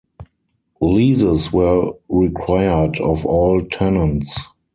Leases were required of all tenants.